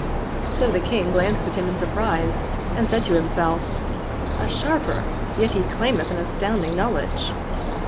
'* So the King glanced at him in surprise and said to himself, " A sharper, yet he claimeth an astounding knowl edge